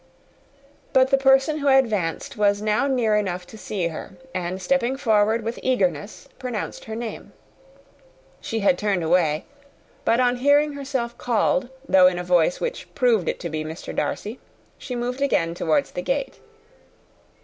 But the person who advanced was now near enough to see her, and stepping forward with eagerness, pronounced her name. She had turned away; but on hearing herself called, though in a voice which proved it to be Mr. Darcy, she moved again towards the gate.